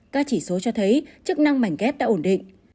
các chỉ số cho thấy chức năng mảnh ghép đã ổn định